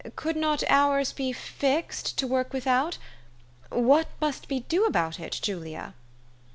Could not ours be fixed to work without? What must we do about it, Julia?"